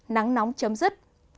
nắng nóng chấm dứt